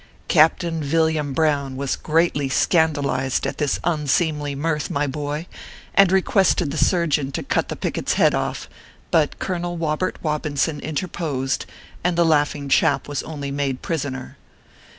Captain Villiam Brown was greatly scandalized at this unseemly mirth, my boy, and requested the sur geon to cut the picket s head off ; but Colonel Wobert Wobinson interposed, and the laughing chap was only made prisoner.